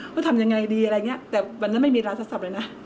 ว่าทำยังไงดีอะไรอย่างนี้แต่วันนั้นไม่มีร้านโทรศัพท์เลยนะ